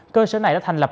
cơ sở này đã thành lập